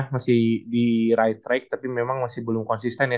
masih di right track tapi memang masih belum konsisten ya